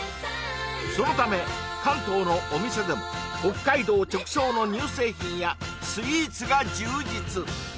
そのため関東のお店でも北海道直送の乳製品やスイーツが充実！